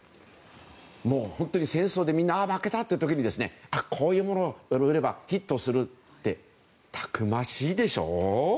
もう、本当に戦争でみんな、ああ負けたという時にこういうものを売ればヒットするってたくましいでしょう。